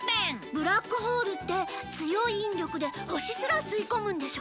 ブラックホールって強い引力で星すら吸い込むんでしょ？